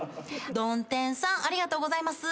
曇天さんありがとうございます。